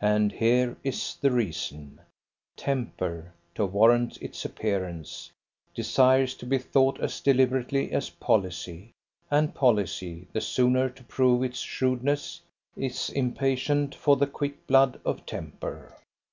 And here is the reason: temper, to warrant its appearance, desires to be thought as deliberative as policy, and policy, the sooner to prove its shrewdness, is impatient for the quick blood of temper.